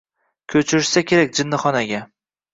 Ko’chirishsa kerak jinnixonaga…